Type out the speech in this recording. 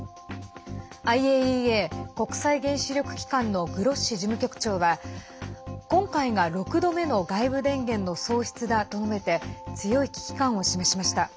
ＩＡＥＡ＝国際原子力機関のグロッシ事務局長は今回が６度目の外部電源の喪失だと述べて強い危機感を示しました。